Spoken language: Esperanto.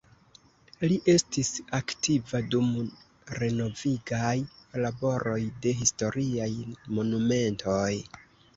Li estis aktiva dum renovigaj laboroj de historiaj monumentoj.